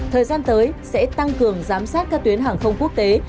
thời gian tới sẽ tăng cường giám sát các tuyến hàng không quốc tế